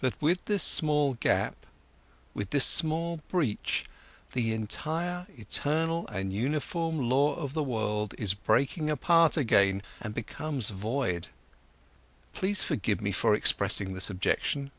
But with this small gap, with this small breach, the entire eternal and uniform law of the world is breaking apart again and becomes void. Please forgive me for expressing this objection."